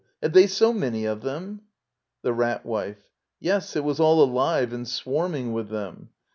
Have they so many of them? The Rat Wife. Yes, it was all alive and swarming with them.